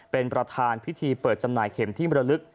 เป็นประธานพิธีเปิดจำหน่ายเข็มที่มรลึก